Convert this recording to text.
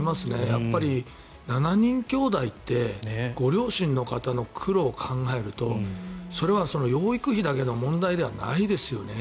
やっぱり７人きょうだいってご両親の方の苦労を考えるとそれは養育費だけの問題ではないですよね。